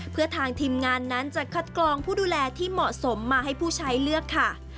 เพื่อทางทีมงานนั้นจะคัดกรองผู้ดูแลที่เหมาะสมมาให้ผู้ใช้เลือกค่ะ